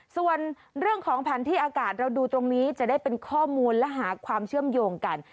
ส่วนเรื่องของแผนที่อากาศเราดูตรงนี้จะได้เป็นข้อมูลและหาความเชื่อมโยงกัน